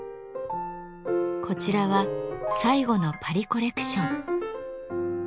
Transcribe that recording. こちらは最後のパリコレクション。